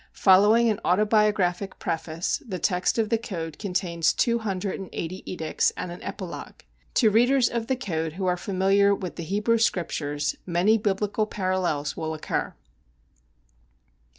Following an autobiographic preface, the text of the code contains two hundred and eighty edicts and an epilogue. To readers of the code who are familiar with the Hebrew Scriptures many biblical parallels will occur.